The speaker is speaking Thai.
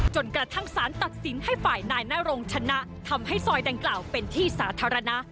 จนกระทั่งสารตัดสินให้ฝ่ายนายนรงชนะทำให้ซอยดังกล่าวเป็นที่สาธารณะ